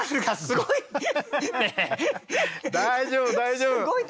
大丈夫大丈夫！